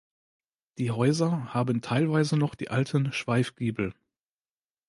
Die Häuser haben teilweise noch die alten Schweifgiebel.